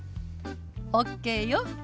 ＯＫよ。